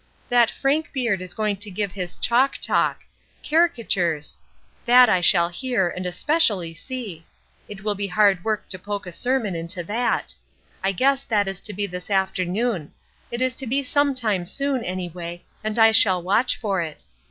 That Frank Beard is going to give his chalk talk caricatures: that I shall hear, and especially see. It will be hard work to poke a sermon into that. I guess that is to be this afternoon; it is to be some time soon, anyway, and I shall watch for it.